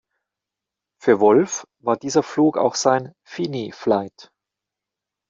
Für Wolff war dieser Flug auch sein „fini flight“.